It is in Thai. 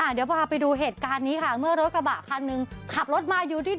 เดี๋ยวพาไปดูเหตุการณ์นี้ค่ะเมื่อรถกระบะคันหนึ่งขับรถมาอยู่ที่